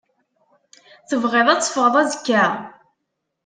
Tebɣiḍ ad teffɣeḍ azekka?